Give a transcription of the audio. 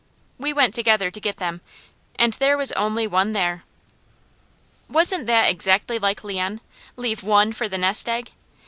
We went together to get them, and there was only one there. Wasn't that exactly like Leon? Leave ONE for the nest egg!